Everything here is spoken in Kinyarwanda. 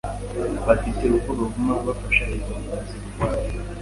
bafite uko baguma bafashe izo mpunzi bugwate,